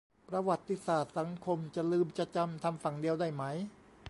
ประวัติศาสตร์สังคม จะลืมจะจำ ทำฝั่งเดียวได้ไหม